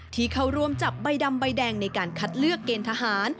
ที่เขาร่วมจับใบดำใบแดงในการคัดเลือกเกณฑ์ทหาร